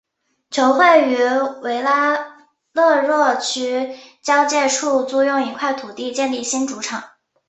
球会于维拉勒若区交界处租用一块土地建立新主场。